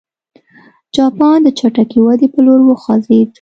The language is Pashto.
جاپان د چټکې ودې په لور وخوځېد.